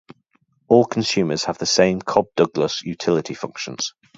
All consumers have the same Cobb-Douglas utility functions.